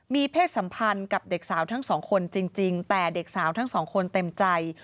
มีเพศสัมพันธ์กับเด็กสาวทั้งสองคนจริงแต่เด็กสาวทั้งสองคนเต็มใจ